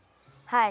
はい。